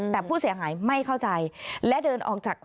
แต่ผู้เสียหายไม่เข้าใจ